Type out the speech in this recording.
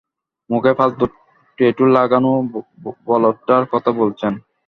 মুখে ফালতু ট্যাটু লাগানো বলদাটার কথা বলছেন?